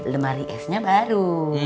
lemari esnya baru